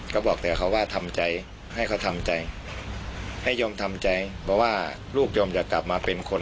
ก็บอกแต่เขาว่าทำใจให้เขาทำใจให้ยอมทำใจเพราะว่าลูกยอมอยากกลับมาเป็นคน